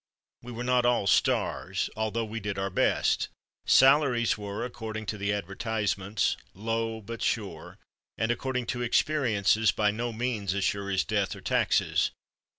We were not all "stars," although we did our best. Salaries were (according to the advertisements) "low but sure"; and (according to experiences) by no means as sure as death, or taxes.